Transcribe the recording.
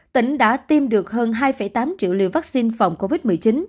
tỉnh đã tiêm được hơn hai tám triệu liều vaccine phòng covid một mươi chín